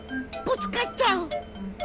ぶつかっちゃう！